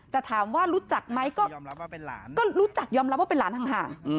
แต่ถามว่ารู้จักไหมก็รู้จักยอมรับว่าเป็นหลานทางห่าง